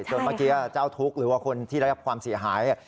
เมื่อกี้เจ้าทุกข์หรือว่าคนที่ได้รับความเสียหาย